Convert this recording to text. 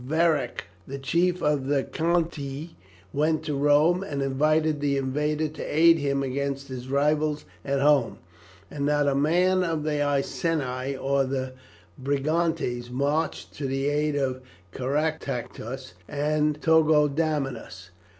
Veric, the chief of the Cantii, went to Rome and invited the invader to aid him against his rivals at home, and not a man of the Iceni or the Brigantes marched to the aid of Caractacus and Togodamnus.